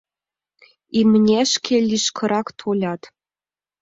Имнешке лишкырак толят.